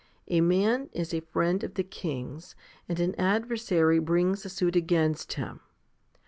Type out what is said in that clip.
A man is a friend of the king's, and an adversary brings a suit against him.